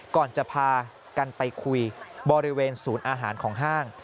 ก่อนจะพากันไปคุยบริเวณศูนย์อาหารของห้าง